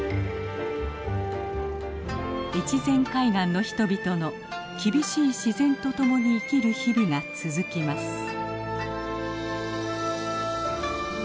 越前海岸の人々の厳しい自然とともに生きる日々が続きます。